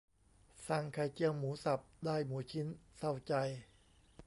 สั่งไข่เจียวหมูสับได้หมูชิ้น เศร้าใจ